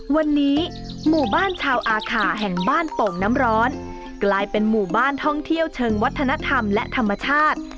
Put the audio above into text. วันนี้หมู่บ้านชาวอาขาแห่งบ้านโป่งน้ำร้อนกลายเป็นหมู่บ้านท่องเที่ยวเชิงวัฒนธรรมและธรรมชาติ